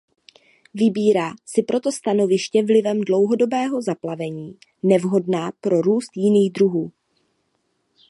Vybírá si proto stanoviště vlivem dlouhodobého zaplavení nevhodná pro růst jiných druhů.